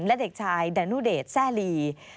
และเด็กชายดานุเดชแซ่ลี